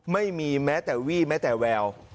ไม่มีแม้แต่วี่แม้แต่แวว